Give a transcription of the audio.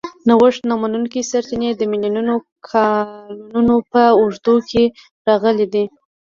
نوښت نه منونکي سرچینې د میلیونونو کالونو په اوږدو کې راغلي دي.